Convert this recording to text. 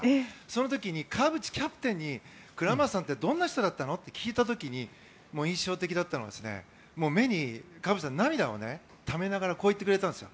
その時に川淵キャプテンにクラマーさんってどんな人だったの？って聞いた時に印象的だったのは川淵さん、目に涙をためながらこう言ってくれたんです。